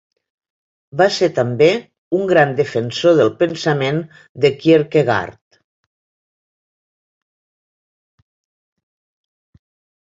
Va ser també un gran defensor del pensament de Kierkegaard.